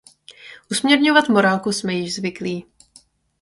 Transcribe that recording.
Usměrňovat morálku jsme již zvyklí.